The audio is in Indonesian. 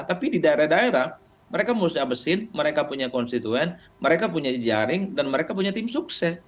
tapi di daerah daerah mereka musnah mesin mereka punya konstituen mereka punya jaring dan mereka punya tim sukses